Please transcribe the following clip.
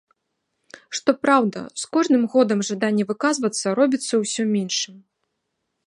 Што праўда, з кожным годам жаданне выказвацца робіцца ўсё меншым.